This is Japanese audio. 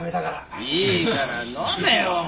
いいから飲めよお前。